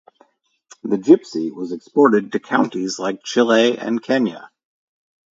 The Gypsy was exported to countries like Chile and Kenya.